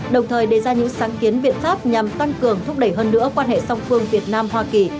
đồng thời đề ra những sáng kiến biện pháp nhằm tăng cường thúc đẩy hơn nữa quan hệ song phương việt nam hoa kỳ